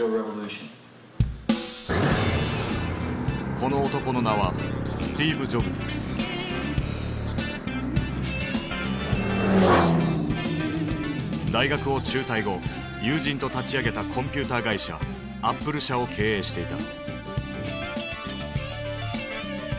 この男の名は大学を中退後友人と立ち上げたコンピューター会社アップル社を経営していた。